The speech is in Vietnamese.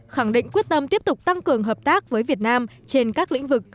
khẳng định quyết tâm tiếp tục tăng cường hợp tác với việt nam trên các lĩnh vực